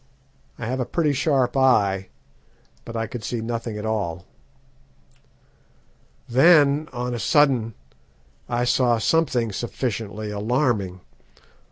I have a pretty sharp eye, but I could see nothing at all. "Then, on a sudden, I saw something sufficiently alarming.